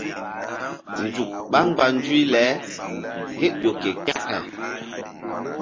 Nzuk ɓá mgba nzuyble ke ƴo ke kȩke.